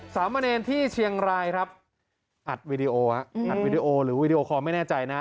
สามเณรที่เชียงรายครับอัดวีดีโออัดวิดีโอหรือวีดีโอคอลไม่แน่ใจนะ